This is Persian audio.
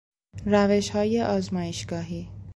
روشهای آزمایشگاهی